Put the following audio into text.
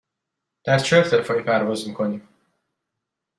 در چه ارتفاعی پرواز می کنیم؟